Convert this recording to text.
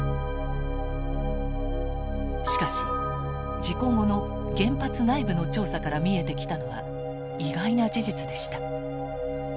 しかし事故後の原発内部の調査から見えてきたのは意外な事実でした。